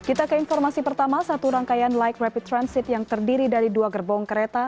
kita ke informasi pertama satu rangkaian light rapid transit yang terdiri dari dua gerbong kereta